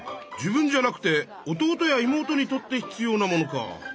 自分じゃなくて弟や妹にとって必要なものか！